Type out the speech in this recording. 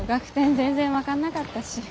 全然分かんなかったし。